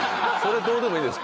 どうでもいんですよ。